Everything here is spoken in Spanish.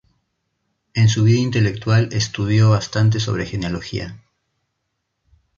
En su vida intelectual, estudió bastante sobre genealogía.